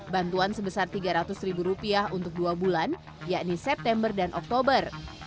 bantuan sebesar rp tiga ratus untuk dua bulan yakni september dan oktober